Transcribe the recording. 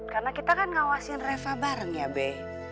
karena kita kan ngawasin reva bareng ya be